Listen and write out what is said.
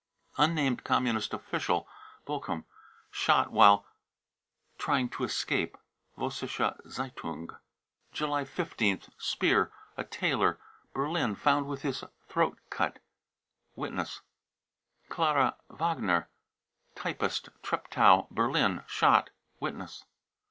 unnamed communist official, Bochum, shot c< while trying to escape." (Vossische Z e ^ un i') j July 15th. speer, a tailor, Berlin, found with his throat cut>| through, (Witness.) klara wagner, typist, Treptow, Berlin, ■" shot. (Witness.)